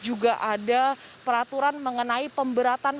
juga ada peraturan mengenai pemberatan